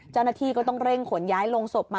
เจ้าหน้าที่ก็ต้องเร่งขนย้ายลงศพมา